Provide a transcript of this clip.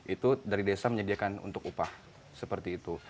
itu dari desa menyediakan untuk upah seperti itu